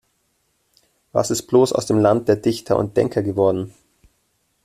Was ist bloß aus dem Land der Dichter und Denker geworden?